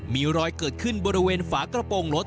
มีรอยเกิดขึ้นบริเวณฝากระโปรงรถ